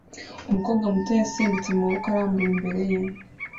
Umukobwa muto yasimbutse amaboko arambuye imbere ye